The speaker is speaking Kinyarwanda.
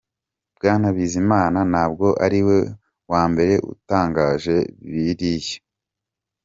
Bwana Bizimana ntabwo ari we wa mbere utangaje biriya.